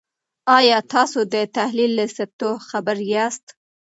آیا تاسو د تحلیل له سطحو خبر یاست؟